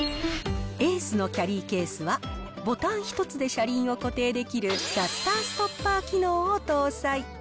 エースのキャリーケースは、ボタン一つで車輪を固定できるキャスターストッパー機能を搭載。